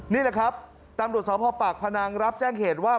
นี่แหละครับตำรวจสพปากพนังรับแจ้งเหตุว่า